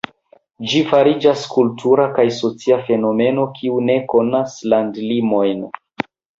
Ĝi fariĝas kultura kaj socia fenomeno kiu ne konas landlimojn.